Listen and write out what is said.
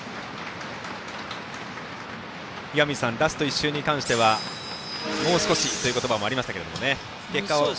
岩水さんラスト１周に関してはもう少しという言葉もありました。